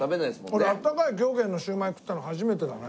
俺あったかい崎陽軒のシウマイ食ったの初めてだね。